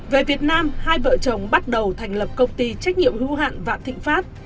về việt nam hai vợ chồng bắt đầu thành lập công ty trách nhiệm hữu hạn vạn thịnh pháp